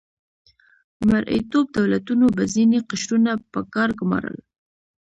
مرئیتوب دولتونو به ځینې قشرونه په کار ګمارل.